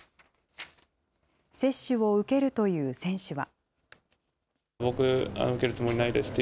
接種を受けるという選手は。